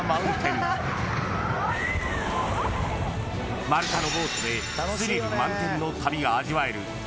［丸太のボートでスリル満点の旅が味わえる］